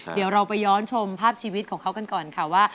เดี๋ยวเราไปย้อนชมภาพชีวิตของเขากันก่อนค่ะว่า